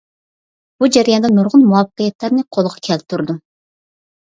بۇ جەرياندا نۇرغۇن مۇۋەپپەقىيەتلەرنى قولغا كەلتۈرىدۇ.